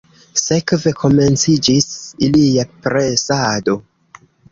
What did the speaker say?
Sekve komenciĝis ilia presado.